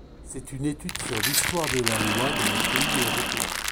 C'est une étude sur l'histoire de la loi dans les pays européens.